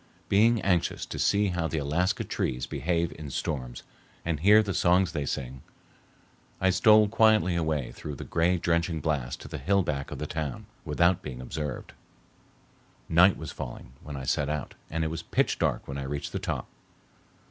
Being anxious to see how the Alaska trees behave in storms and hear the songs they sing, I stole quietly away through the gray drenching blast to the hill back of the town, without being observed. Night was falling when I set out and it was pitch dark when I reached the top.